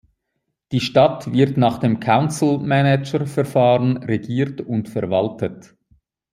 Die Stadt wird nach dem Council-Manager-Verfahren regiert und verwaltet.